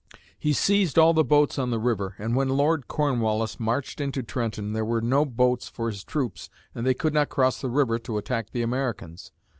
He seized all the boats on the river and when Lord Cornwallis marched into Trenton, there were no boats for his troops and they could not cross the river to attack the Americans.